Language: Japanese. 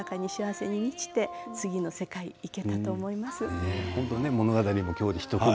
本当に心豊かに幸せに満ちて次の世界に行けたと思います。